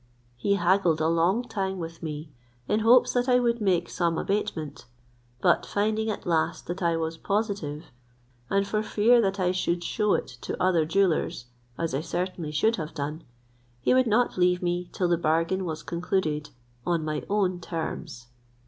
He haggled a long time with me, in hopes that I would make some abatement: but finding at last that I was positive, and for fear that I should shew it to other jewellers, as I certainly should have done, he would not leave me till the bargain was concluded on my own terms.